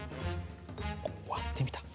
割ってみた。